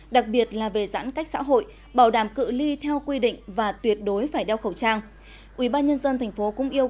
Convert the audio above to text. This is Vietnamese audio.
đặc biệt là về giãn cách xã hội bảo đảm cự ly theo quy định và tuyệt đối phải đeo khẩu trang